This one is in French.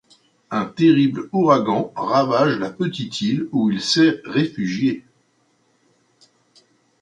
Un terrible ouragan ravage la petite île où il s'est réfugié.